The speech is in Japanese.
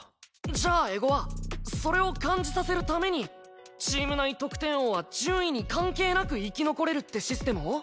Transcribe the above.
じゃあ絵心はそれを感じさせるためにチーム内得点王は順位に関係なく生き残れるってシステムを？